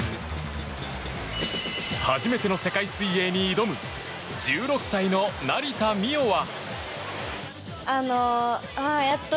初めての世界水泳に挑む１６歳の成田実生は。